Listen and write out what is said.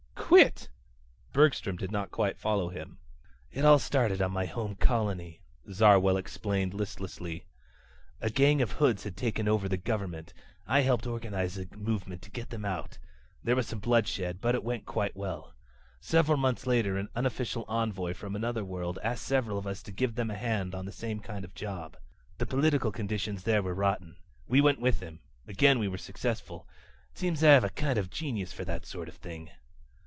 "Quit?" Bergstrom did not quite follow him. "It started on my home colony," Zarwell explained listlessly. "A gang of hoods had taken over the government. I helped organize a movement to get them out. There was some bloodshed, but it went quite well. Several months later an unofficial envoy from another world asked several of us to give them a hand on the same kind of job. The political conditions there were rotten. We went with him. Again we were successful. It seems I have a kind of genius for that sort of thing."